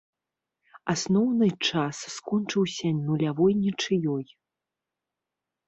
Асноўны час скончыўся нулявой нічыёй.